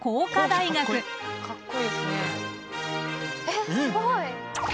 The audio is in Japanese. えっすごい。